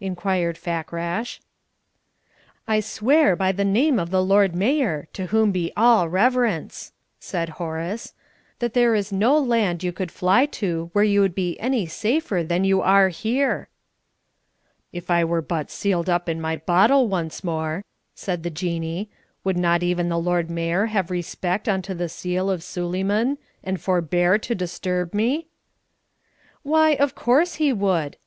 inquired Fakrash. "I swear by the name of the Lord Mayor (to whom be all reverence!)" said Horace, "that there is no land you could fly to where you would be any safer than you are here." "If I were but sealed up in my bottle once more," said the Jinnee, "would not even the Lord Mayor have respect unto the seal of Suleyman, and forbear to disturb me?" "Why, of course he would!"